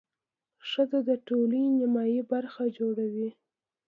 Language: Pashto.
ښځه د ټولنې نیمایي برخه جوړوي.